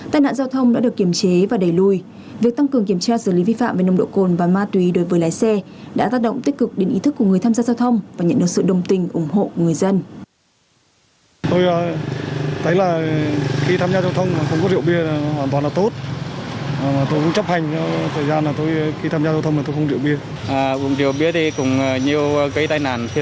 tại nạn giao thông đã được kiểm chế và đẩy lùi việc tăng cường kiểm tra xử lý vi phạm về nông độ cồn và ma tùy đối với lái xe đã tác động tích cực đến ý thức của người tham gia giao thông và nhận được sự đồng tình ủng hộ người dân